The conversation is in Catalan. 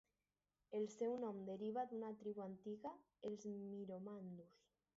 El seu nom deriva d'una tribu antiga, els viromandus.